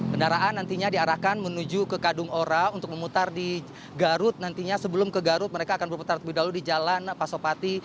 kendaraan nantinya diarahkan menuju ke kadung ora untuk memutar di garut nantinya sebelum ke garut mereka akan berputar lebih dahulu di jalan pasopati